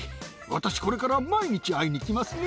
私、これから毎日会いに来ますね。